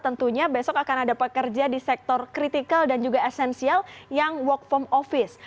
tentunya besok akan ada pekerja di sektor kritikal dan juga esensial yang work from office